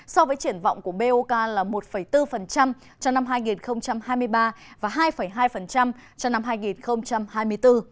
so với triển vọng của bok là một bốn trong năm hai nghìn hai mươi ba và hai hai cho năm hai nghìn hai mươi bốn